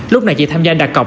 lúc này chị tham gia đặt cọc